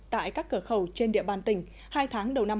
tại các cửa khẩu trên địa bàn tỉnh hai tháng đầu năm hai nghìn hai mươi